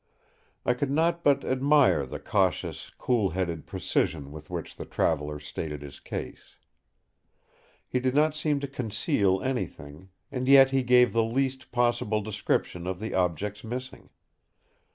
I could not but admire the cautious, cool headed precision with which the traveller stated his case. He did not seem to conceal anything, and yet he gave the least possible description of the objects missing.